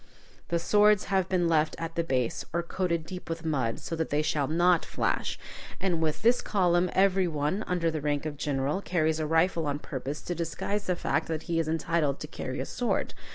The swords have been left at the base, or coated deep with mud, so that they shall not flash, and with this column every one, under the rank of general, carries a rifle on purpose to disguise the fact that he is entitled to carry a sword.